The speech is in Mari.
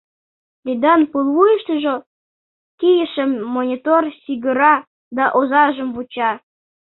Людан пулвуйыштыжо кийыше Монитор сигыра да озажым вуча.